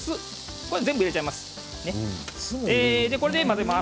これは全部入れちゃいます。